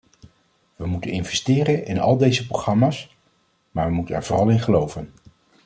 We moeten investeren in al deze programma's, maar we moeten er vooral in geloven.